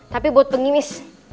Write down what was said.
tapi buat pengimis